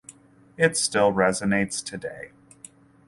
It still resonates today.